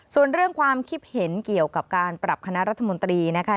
ส่วนเรื่องความคิดเห็นเกี่ยวกับการปรับคณะรัฐมนตรีนะคะ